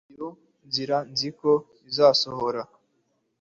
Iyo nzira nzi ko izasohora